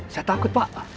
saya takut pak